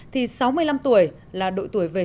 thì sáu mươi năm tuổi là đội tuổi vệ sinh